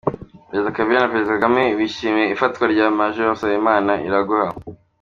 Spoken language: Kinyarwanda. Perezida Kabila na Perezida Kagame bishimiye ifatwa rya Maj. Sabimana Iraguha